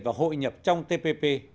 và hội nhập trong tpp